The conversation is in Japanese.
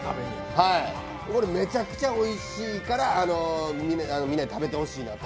これ、めちゃくちゃおいしいからみんなに食べてほしいなと。